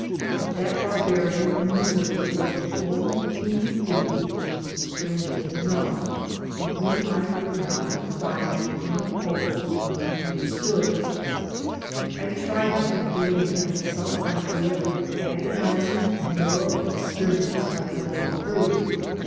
But that barbarian in Missouri was the only hmnan being, strangely enough, in whom I could now confide with any hope of being understood. I tried to convey to him some idea of the agonizing moral ex perience I was going through.